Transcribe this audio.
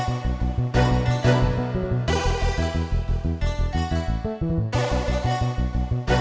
mereka berdua masa takut